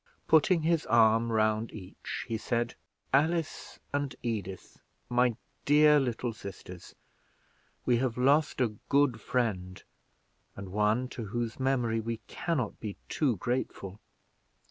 Putting his arm round each, he said "Alice and Edith, my dear little sisters, we have lost a good friend, and one to whose memory we can not be too grateful.